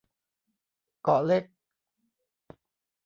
เกาะเล็ก